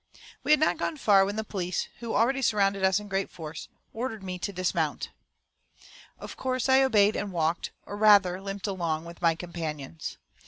We had not gone far when the police, who already surrounded us in great force, ordered me to dismount. Of course I obeyed and walked, or rather limped along with my companions.